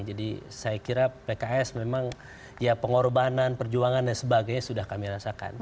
jadi saya kira pks memang ya pengorbanan perjuangan dan sebagainya sudah kami rasakan